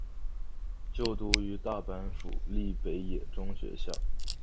就读于大阪府立北野中学校。